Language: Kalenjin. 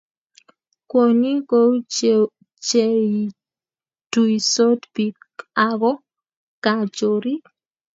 kwoni kou cheituisot biik ako kaa chorik